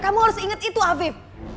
kamu harus ingat itu afif